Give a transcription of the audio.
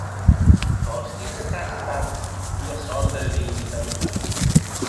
Vòs díder qu'a estat ua sòrta de Diu entà nosati?